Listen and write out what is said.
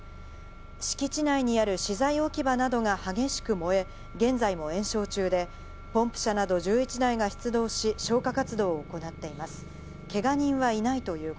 敷地内にある資材置き場などが激しく燃え、現在も延焼中でポンプ車など１１台が関東のお天気です。